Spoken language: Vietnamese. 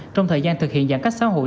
trong thời gian thực hiện giãn cách xã hội